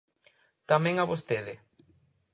Tamén a vostede.